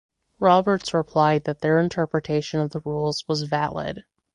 Roberts replied that their interpretation of the rules was valid.